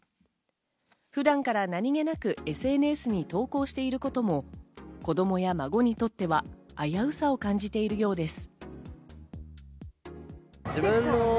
普段から何気なくＳＮＳに投稿していることも子供や孫にとっては危うさを感じているようです。